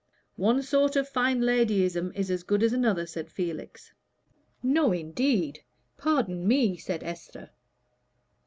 "One sort of fine ladyism is as good as another," said Felix. "No, indeed. Pardon me," said Esther.